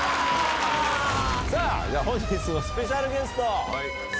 さぁ本日のスペシャルゲスト！